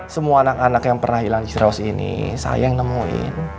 semua anak anak yang pernah hilang di jeraus ini saya yang nemuin